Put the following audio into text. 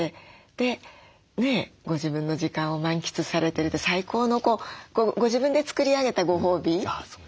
でご自分の時間を満喫されてるって最高のご自分で作り上げたご褒美だなと思って。